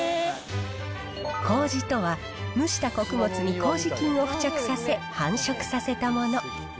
こうじとは、蒸した穀物にこうじ菌を付着させ、繁殖させたもの。